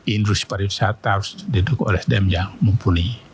industri pariwisata harus didukung oleh sdm yang mumpuni